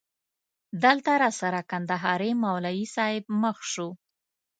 دلته راسره کندهاری مولوی صاحب مخ شو.